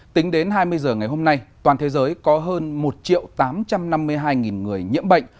tính đến hai mươi h ngày hôm nay toàn thế giới có hơn một triệu tám trăm năm mươi hai người nhiễm bệnh